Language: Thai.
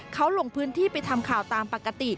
เขาลงพื้นที่ไปทำข่าวตามปกติ